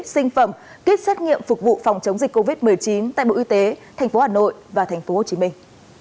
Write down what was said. sinh phẩm kết xét nghiệm phục vụ phòng chống dịch covid một mươi chín tại bộ y tế tp hà nội và tp hồ chí minh